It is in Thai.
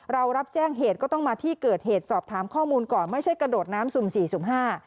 เรารับแจ้งเหตุก็ต้องมาที่เกิดเหตุสอบถามข้อมูลก่อนไม่ใช่กระโดดน้ำสุ่มสี่สุ่มห้า